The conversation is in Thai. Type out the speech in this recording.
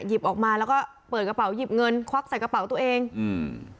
ออกมาแล้วก็เปิดกระเป๋าหยิบเงินควักใส่กระเป๋าตัวเองอืม